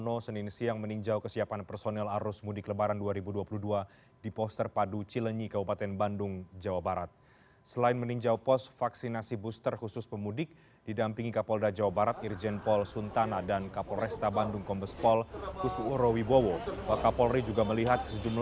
untuk mencari situasi kemacetan polri akan berlakukan kontraflow dan sistem buka tutup jalur